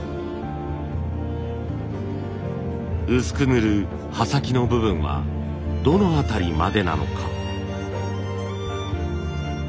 薄く塗る刃先の部分はどの辺りまでなのか？